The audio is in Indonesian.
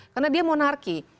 karena dia monarki